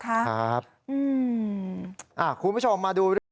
ครับอ่าคุณผู้ชมมาดู